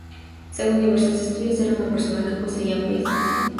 Según diversos estudios, era una persona que poseía amplia instrucción.